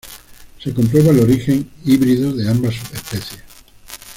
Se comprueba el origen híbrido de ambas subespecies.